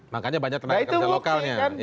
makanya banyak tenaga kerja lokalnya